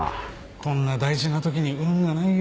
こんな大事な時に運がないよ。